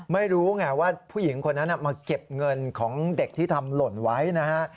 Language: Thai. ไม่รู้ไงว่าผู้หญิงคนนั้นมาเก็บเงินของเด็กที่ทำหล่นไว้นะฮะ